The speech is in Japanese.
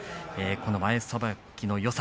前さばきのよさ